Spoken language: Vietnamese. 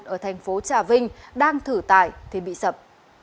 ở thành phố trà vinh đang thử tải thì bị sập